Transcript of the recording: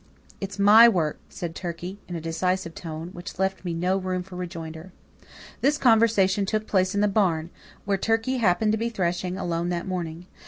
"It's my work," said Turkey, in a decisive tone, which left me no room for rejoinder. This conversation took place in the barn, where Turkey happened to be thrashing alone that morning.